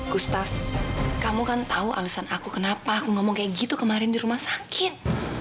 gustaf kamu kan tahu alasan aku kenapa aku ngomong kayak gitu kemarin di rumah sakit